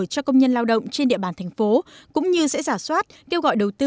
cho công nhân lao động trên địa bàn tp cũng như sẽ giả soát kêu gọi đầu tư